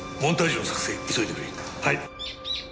はい！